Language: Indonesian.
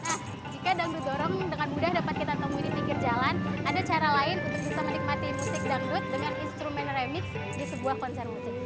ada cara lain untuk bisa menikmati musik dangdut dengan instrumen remix di sebuah konser musik